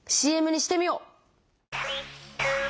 ＣＭにしてみよう！